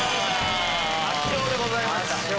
圧勝でございましたね。